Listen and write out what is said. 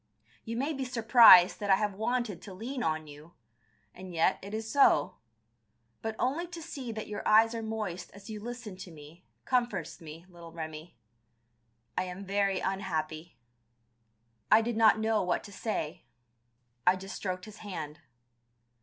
You may be surprised that I have wanted to lean on you. And yet it is so. But only to see that your eyes are moist as you listen to me, comforts me, little Remi. I am very unhappy." I did not know what to say. I just stroked his hand.